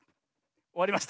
おわりました。